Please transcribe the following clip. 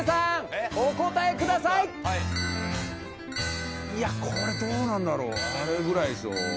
いやこれどうなんだろうあれぐらいでしょ？